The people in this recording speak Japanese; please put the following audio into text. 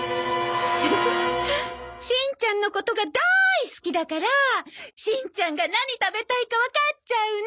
しんちゃんのことがだい好きだからしんちゃんが何食べたいかわかっちゃうの！